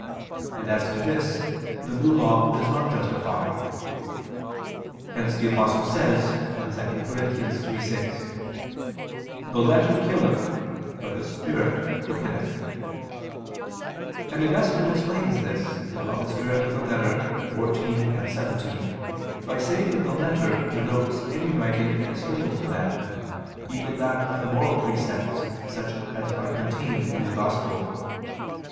And as to this, the New Law does not justify. Hence the Apostle says (2 Cor. 3:6) "The letter killeth, but the spirit quickeneth": and Augustine explains this (De Spir. et Lit. xiv, xvii) by saying that the letter denotes any writing external to man, even that of the moral precepts such as are contained in the Gospel.